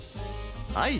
はい。